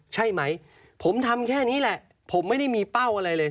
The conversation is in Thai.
ใช่ไหมผมทำแค่นี้แหละผมไม่ได้มีเป้าอะไรเลย